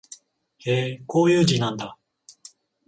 へえ、こういう字なんだ